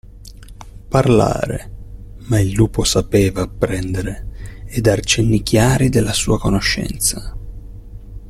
Parlare, ma il lupo sapeva apprendere, e dar cenni chiari della sua conoscenza.